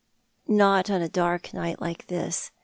" Not on a dark night like this.